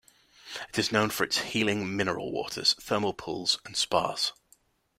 It is known for its healing mineral waters, thermal pools and spas.